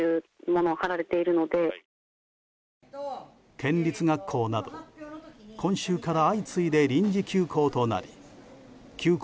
県立学校など今週から相次いで臨時休校となり休校